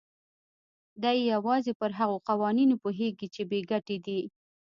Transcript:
دی يوازې پر هغو قوانينو پوهېږي چې بې ګټې دي.